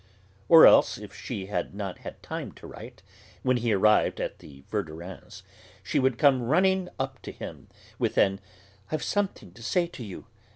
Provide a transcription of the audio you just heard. Or else, if she had not had time to write, when he arrived at the Verdurins' she would come running up to him with an "I've something to say to you!"